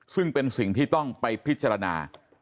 ซึ่งเป็นสิ่งที่ต้องไปพิจารณา